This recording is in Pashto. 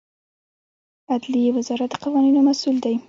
عدلیې وزارت د قوانینو مسوول دی